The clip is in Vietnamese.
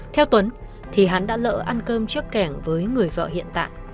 theo tuấn thì hắn đã lỡ ăn cơm trước kẻng với người vợ hiện tại